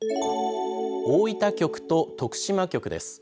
大分局と徳島局です。